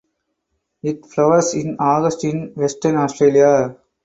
It flowers in August (in Western Australia).